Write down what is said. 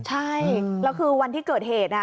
ใช่แล้วคือวันที่เกิดเหตุ